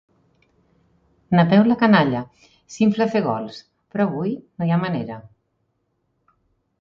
Napeu la canalla s'infla a fer gols, però avui no hi ha manera.